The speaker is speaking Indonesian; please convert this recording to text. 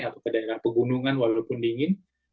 atau ke daerah pegunungan walaupun dingin